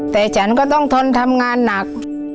แต่ฉันก็ต้องทนทำงานหนัก